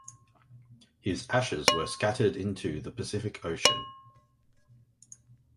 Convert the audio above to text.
His ashes were scattered into the Pacific Ocean.